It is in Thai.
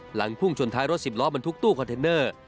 หลังพุ่งชนท้ายรถสิบล้อบรรทุกตู้คอนเทนเนอร์